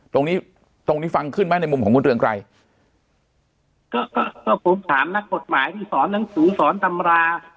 ตรงนี้ตรงนี้ฟังขึ้นไหมในมุมของคุณเรืองไกรก็ก็ผมถามนักกฎหมายที่สอนหนังสือสอนตำรา